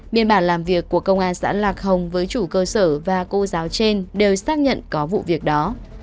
biên bản làm việc của công an xã lạc hồng với chủ cơ sở và cô giáo trên đều xác nhận có vụ việc đó